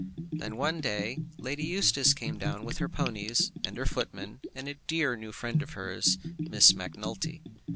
Then one day Lady Eustace came down with her ponies, and her footman, and a new dear friend of hers, Miss Macnulty.